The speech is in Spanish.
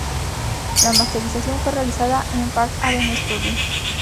La masterización fue realizada en Park Avenue Studio.